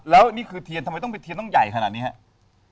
แล้วนี่คือเทียนทำไมต้องไปเทียนต้องใหญ่ขนาดนี้ครับ